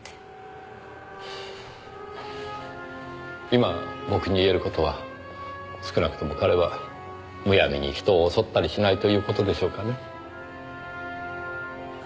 今僕に言える事は少なくとも彼はむやみに人を襲ったりしないという事でしょうかね。